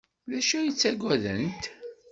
D acu ay ttaggadent?